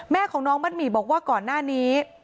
แม่ของน้องมัดหมี่บอกว่าก่อนหน้านี้